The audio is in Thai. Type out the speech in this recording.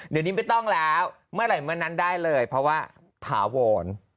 เดี๋ยวนี้ไม่ต้องแล้วเมื่อไหร่เมื่อนั้นได้เลยเพราะว่าถาวร